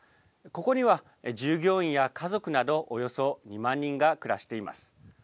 ここには、従業員や家族などおよそ２万人が暮らしています。